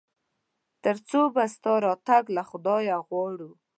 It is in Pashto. تر څو به ستا راتګ له خدايه غواړو ؟